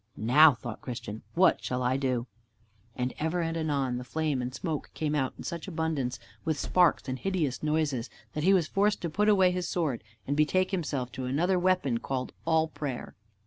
"Now," thought Christian, "what shall I do?" And ever and anon the flame and smoke came out in such abundance, with sparks and hideous noises, that he was forced to put away his sword and betake himself to another weapon, called All prayer.